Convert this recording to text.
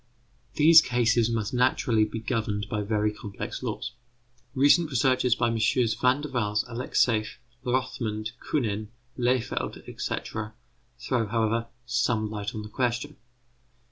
These cases must naturally be governed by very complex laws. Recent researches by MM. Van der Waals, Alexeif, Rothmund, Künen, Lehfeld, etc., throw, however, some light on the question.